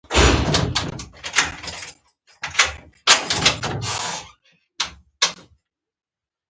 انحصاري قلمونو پر انحصاري کاغذ لیکل کول.